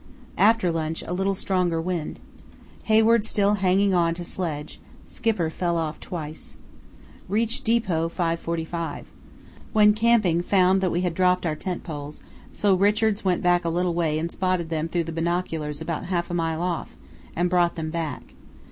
After lunch a little stronger wind. Hayward still hanging on to sledge; Skipper fell off twice. Reached depot 5.45. When camping found we had dropped our tent poles, so Richards went back a little way and spotted them through the binoculars about half a mile off, and brought them back.